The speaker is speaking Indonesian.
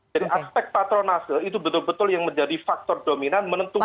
jadi aspek patronase itu betul betul yang menjadi faktor dominan menentukan